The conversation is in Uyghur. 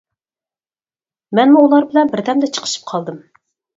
مەنمۇ ئۇلار بىلەن بىردەمدە چىقىشىپ قالدىم.